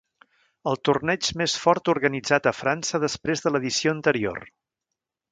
El torneig més fort organitzat a França després de l'edició anterior.